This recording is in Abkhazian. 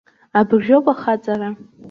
Абыржәоуп ахаҵара!